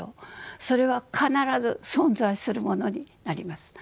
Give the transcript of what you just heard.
それは必ず存在するものになります。